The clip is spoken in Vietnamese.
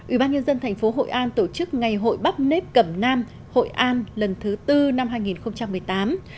ủy ban nhân dân thành phố hội an tổ chức ngày hội bắp nếp cẩm nam hội an lần thứ tư năm hai nghìn một mươi tám